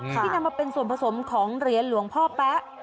ที่นำมาเป็นส่วนผสมของเหรียญหลวงพ่อแป๊ะ